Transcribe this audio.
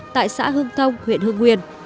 tại xã hương thông huyện hương nguyên